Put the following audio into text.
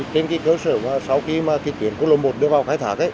trên cơ sở sau khi tuyến quốc lộ một được vào khai thác